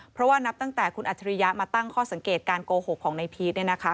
เพราะว่านับตั้งแต่คุณอัจฉริยะมาตั้งข้อสังเกตการโกหกของในพีชเนี่ยนะคะ